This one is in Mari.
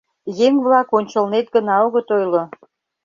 Еҥ-влак ончылнет гына огыт ойло...